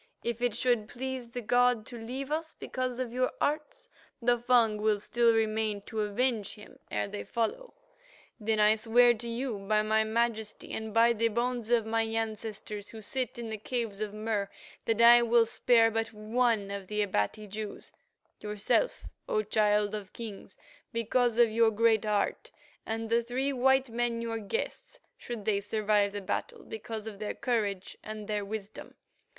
If it should please the god to leave us because of your arts, the Fung will still remain to avenge him ere they follow. Then I swear to you by my majesty and by the bones of my ancestors who sit in the caves of Mur, that I will spare but one of the Abati Jews, yourself, O Child of Kings, because of your great heart, and the three white men, your guests, should they survive the battle, because of their courage and their wisdom.